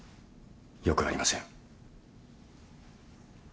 よくありません。